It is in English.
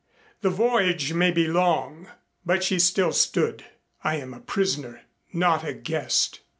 The voyage may be long." But she still stood. "I am a prisoner, not a guest."